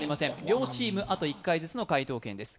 両チーム、あと１回ずつの解答です。